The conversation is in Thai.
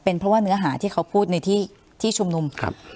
เพราะว่าเนื้อหาที่เขาพูดในที่ที่ชุมนุมครับ